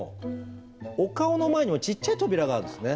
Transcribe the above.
お顔の前にもちっちゃい扉があるんですね。